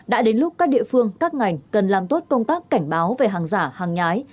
đã đến lúc các địa phương các ngành cần làm tốt công tác cảnh báo về hàng giả hàng nhái